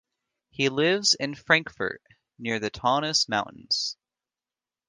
He lives in Frankfurt near the Taunus Mountains.